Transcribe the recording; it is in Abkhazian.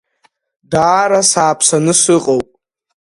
Даара сааԥсаны сыҟоуп.